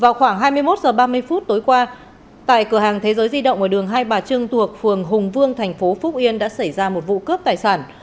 vào khoảng hai mươi một h ba mươi phút tối qua tại cửa hàng thế giới di động ở đường hai bà trưng thuộc phường hùng vương thành phố phúc yên đã xảy ra một vụ cướp tài sản